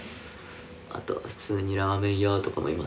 あとは普通にラーメン屋とかもいますね。